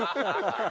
ハハハ。